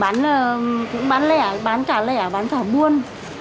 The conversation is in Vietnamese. bán là cũng bán lẻ bán cả lẻ bán cả buôn